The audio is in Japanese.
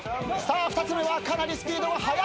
２つ目はかなりスピードが速い。